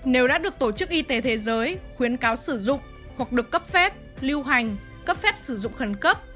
nếu đã được tổ chức y tế thế giới khuyến cáo sử dụng hoặc được cấp phép lưu hành cấp phép sử dụng khẩn cấp